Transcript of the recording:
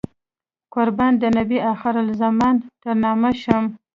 قربان د نبي اخر الزمان تر نامه شم.